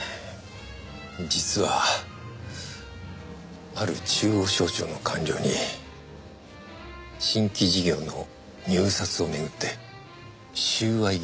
実はある中央省庁の官僚に新規事業の入札を巡って収賄疑惑がありまして。